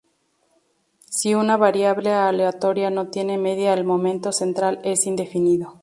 Si una variable aleatoria no tiene media el momento central es indefinido.